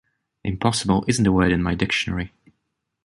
Impossible isn’t a word in my dictionary.